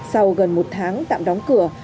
sau gần một tháng tạm đóng cửa